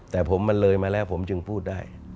แต่ผมมันเลยมาแล้วผมจึงพูดได้